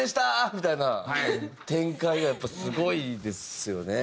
みたいな展開がやっぱすごいですよね。